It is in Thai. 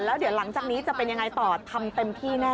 แล้วเดี๋ยวหลังจากนี้จะเป็นยังไงต่อทำเต็มที่แน่